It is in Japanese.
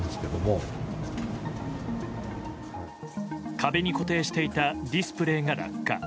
壁に固定していたディスプレーが落下。